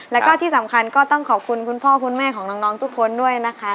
แล้วก็ที่สำคัญก็ต้องขอบคุณคุณพ่อคุณแม่ของน้องทุกคนด้วยนะคะ